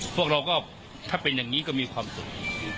พวกเราก็ถ้าเป็นอย่างนี้ก็มีความสุข